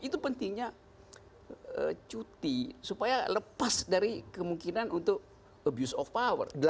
itu pentingnya cuti supaya lepas dari kemungkinan untuk abuse of power